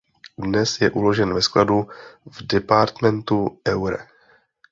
Dnes je uložen ve skladu v departementu Eure.